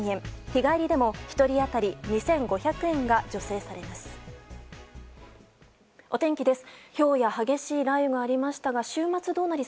日帰りでも１人当たり２５００円が助成されます。